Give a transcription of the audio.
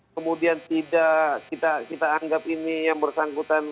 kemudian tidak kita anggap ini yang bersangkutan